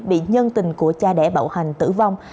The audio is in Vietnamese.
bị nhân tình của cha đẻ bạo hành tử vong